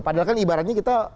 padahal kan ibaratnya kita